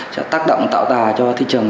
đã tác động tạo tà cho thị trường